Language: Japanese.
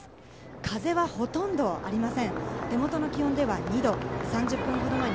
風はほとんどありません。